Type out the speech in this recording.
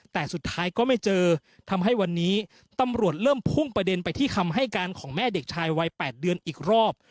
แต่สุดท้ายก็ไม่เจอทำให้วันนี้ตำรวจเริ่มพุ่งประเด็นไปที่คำให้การของแม่เด็กชายวัย๘เดือนอีกรอบ